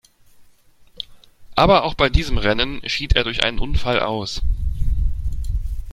Aber auch bei diesem Rennen schied er durch einen Unfall aus.